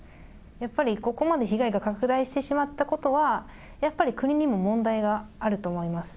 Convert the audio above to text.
やっぱり、ここまで被害が拡大してしまったことは、やっぱり国にも問題があると思います。